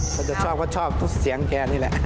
เขาจะชอบก็ชอบทุกเสียงแกนี่แหละ